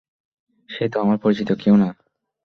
সে তো আমার পরিচিত কেউ না।